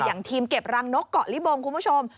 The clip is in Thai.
อย่างทีมเก็บรังนกเกาะลิบงคุณผู้ชม